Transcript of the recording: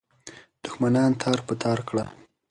دښمنان تار په تار کړه.